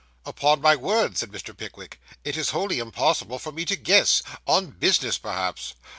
'Upon my word,' said Mr. Pickwick, 'it is wholly impossible for me to guess; on business, perhaps.